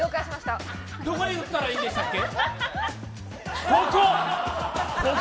どこに打ったらいいんでしたっけ？